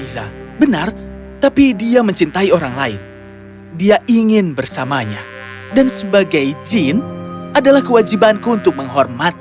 semoga kau sempat selamat